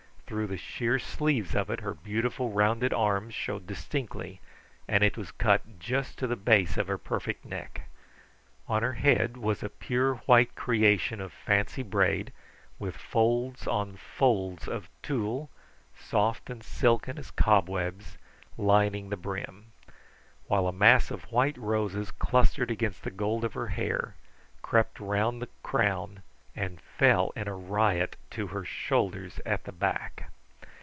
Through the sheer sleeves of it her beautiful, rounded arms showed distinctly, and it was cut just to the base of her perfect neck. On her head was a pure white creation of fancy braid, with folds on folds of tulle, soft and silken as cobwebs, lining the brim; while a mass of white roses clustered against the gold of her hair, crept around the crown, and fell in a riot to her shoulders at the back.